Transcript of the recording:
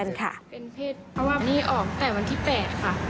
ค่ะเป็นเพศเพราะว่านี่ออกแต่วันที่๘ค่ะ